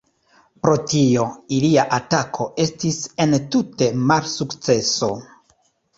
Pro tio, ilia atako estis entute malsukceso.